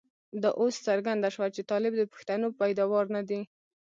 دا اوس څرګنده شوه چې طالب د پښتنو پيداوار نه دی.